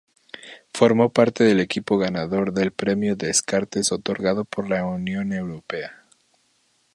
Formó parte del equipo ganador del Premio Descartes otorgado por la Unión Europea.